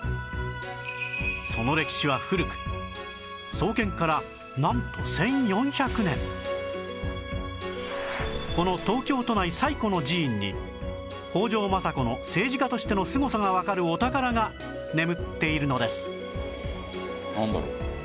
その歴史は古くこの東京都内最古の寺院に北条政子の政治家としてのすごさがわかるお宝が眠っているのです